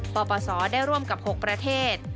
ปปศได้ร่วมกับ๖ประเทศ